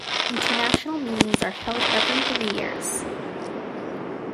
International meetings are held every three years.